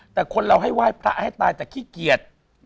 แต่คนเราให้ไหว้พระให้ตายแต่ขี้เกียจ